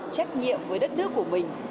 trách nhiệm với đất nước của mình